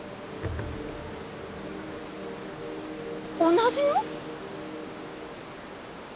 同じの？